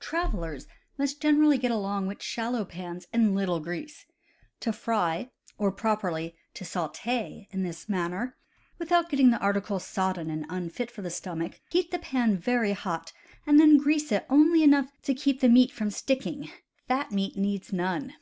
Travelers must generally get along with shallow pans and little grease. To fry (or, properly, to saute) in this manner, without getting the article sodden and unfit for the stomach, heat the dry pan very hot, and then grease it only enough to keep the meat from sticking (fat meat needs none).